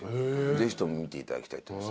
ぜひとも見ていただきたいと思います。